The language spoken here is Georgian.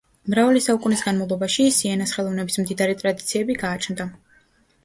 მრავალი საუკუნის განმავლობაში, სიენას ხელოვნების მდიდარი ტრადიციები გააჩნდა.